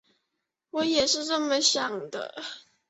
我也是这么想的